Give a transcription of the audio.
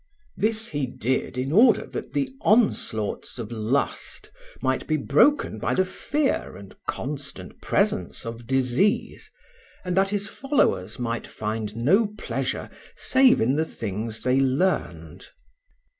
This he did in order that the onslaughts of lust might be broken by the fear and constant presence of disease, and that his followers might find no pleasure save in the things they learned."